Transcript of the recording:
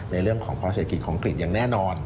ในเรื่องของพอเศรษฐกิจของอกลิ่นอย่างแน่นอน